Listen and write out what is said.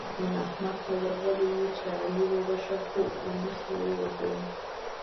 نن احمد ته ورغلی وو؛ چې علي وبښه - خو پر مخ يې ووهلم.